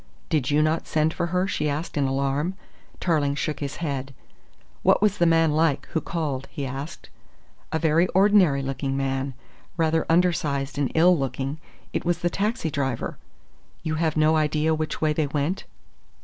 "Did you not send for her?" she asked in alarm. Tarling shook his head. "What was the man like who called?" he asked: "A very ordinary looking man, rather under sized and ill looking it was the taxi driver." "You have no idea which way they went?"